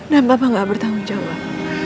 dan papa gak bertanggung jawab